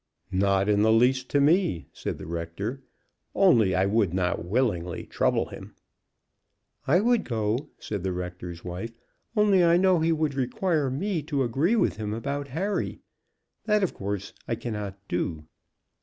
"Not in the least to me," said the rector; "only I would not willingly trouble him." "I would go," said the rector's wife, "only I know he would require me to agree with him about Harry. That, of course, I cannot do."